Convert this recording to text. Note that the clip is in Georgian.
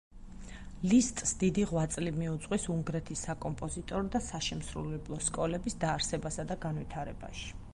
ლისტს დიდი ღვაწლი მიუძღვის უნგრეთის საკომპოზიტორო და საშემსრულებლო სკოლების დაარსებასა და განვითარებაში.